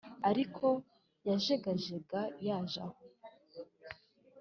ariko yajegajega, yaje aho